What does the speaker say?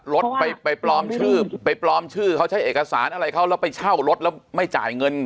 รถไปไปปลอมชื่อไปปลอมชื่อเขาใช้เอกสารอะไรเขาแล้วไปเช่ารถแล้วไม่จ่ายเงิน